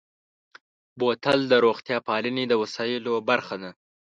بوتل د روغتیا پالنې د وسایلو برخه ده.